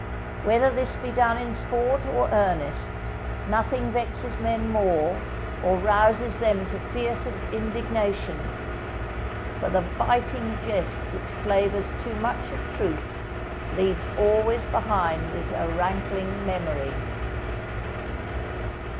Whether this be done in sport or earnest, nothing vexes men more, or rouses them to fiercer indignation; "_for the biting jest which flavours too much of truth, leaves always behind it a rankling memory.